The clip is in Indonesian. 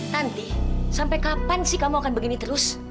nanti sampai kapan sih kamu akan begini terus